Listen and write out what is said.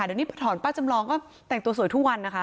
เดี๋ยวนี้ถอนป้าจำลองก็แต่งตัวสวยทุกวันนะคะ